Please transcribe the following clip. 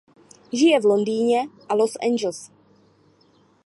Žije v Londýně a Los Angeles.